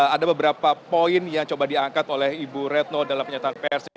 ada beberapa poin yang coba diangkat oleh ibu retno dalam penyataan pers